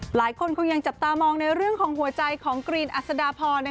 หลายคนคงยังจับตามองในเรื่องของหัวใจของกรีนอัศดาพร